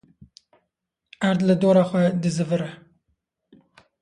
Erd li dora xwe dizivire